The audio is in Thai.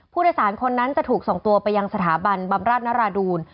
ผู้โดยสารคนนั้นจะถูกส่งตัวไปยังสถาบันบำราชนราดูล